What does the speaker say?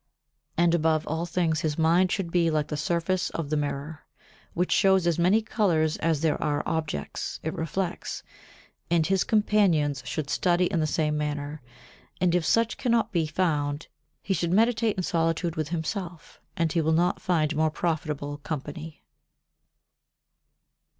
And above all things his mind should be like the surface of the mirror, which shows as many colours as there are objects it reflects; and his companions should study in the same manner, and if such cannot be found he should meditate in solitude with himself, and he will not find more profitable company.